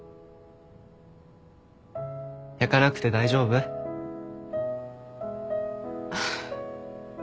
焼かなくて大丈夫？あっ。